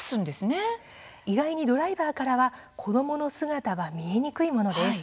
意外にドライバーからは子どもの姿は見えにくいものです。